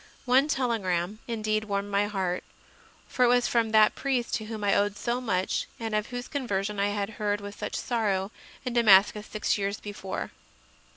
One telegram indeed warmed my heart; for it was from that priest to whom I owed so much and of whose conversion I had heard with such sorrow in Damascus six years before.